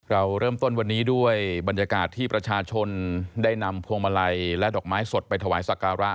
เราเริ่มต้นวันนี้ด้วยบรรยากาศที่ประชาชนได้นำพวงมาลัยและดอกไม้สดไปถวายสักการะ